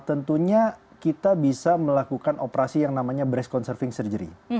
tentunya kita bisa melakukan operasi yang namanya brass conserving surgery